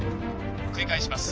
繰り返します